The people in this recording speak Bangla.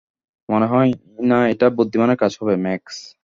মনে হয় না এটা বুদ্ধিমানের কাজ হবে, ম্যাক্স।